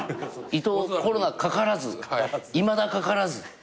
「伊藤コロナかからずいまだかからず」